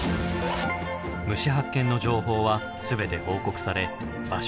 虫発見の情報は全て報告され場所